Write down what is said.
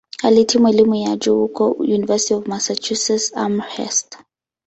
Alihitimu elimu ya juu huko "University of Massachusetts-Amherst".